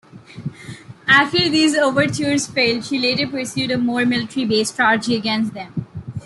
After these overtures failed, she later pursued a more military-based strategy against them.